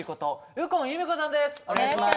右近由美子さんです。